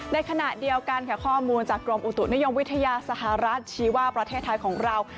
ในขณะเดียวกันค่ะข้อมูลจากกรมอุตุนิยมวิทยาสหรัฐชี้ว่าประเทศไทยของเรา